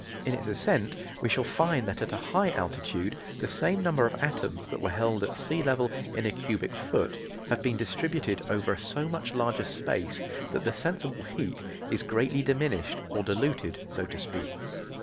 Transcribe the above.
In its ascent we shall find that at a high altitude the same number of atoms that were held at sea level in a cubic foot have been distributed over a so much larger space that the sensible heat is greatly diminished or diluted, so to speak.